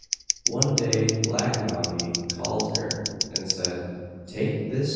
One day Black Noggy called her, and said, "Take this chatty {ed.